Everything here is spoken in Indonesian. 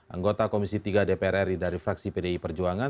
anggota komisi tiga dpr ri dari fraksi pdi perjuangan